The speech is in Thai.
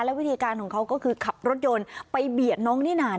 วิธีการของเขาก็คือขับรถยนต์ไปเบียดน้องนิน่า